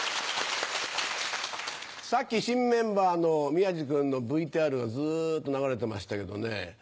さっき新メンバーの宮治君のＶＴＲがずっと流れてましたけどね。